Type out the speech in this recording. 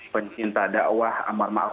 pencinta dakwah ammar ma'ruf